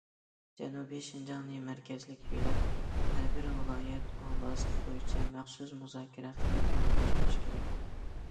جەنۇبىي شىنجاڭنى مەركەزلىك يۆلەپ، ھەر بىر ۋىلايەت، ئوبلاست بويىچە مەخسۇس مۇزاكىرە قىلىپ ئورۇنلاشتۇرۇش كېرەك.